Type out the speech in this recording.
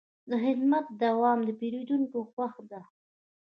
د خدمت دوام د پیرودونکي خوښي ده.